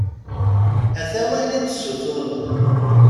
Ata wayen i d-tessutreḍ.